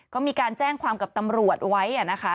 ก็มีการแจ้งความกับตำรวจไว้นะคะ